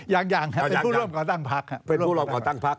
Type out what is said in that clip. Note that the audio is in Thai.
ยังเป็นผู้ร่วมก่อตั้งพัก